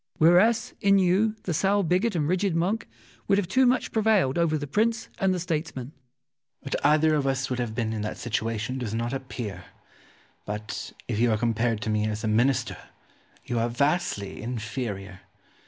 Whereas in you the sour bigot and rigid monk would too much have prevailed over the prince and the statesman. Ximenes. What either of us would have been in that situation does not appear; but, if you are compared to me as a Minister, you are vastly inferior.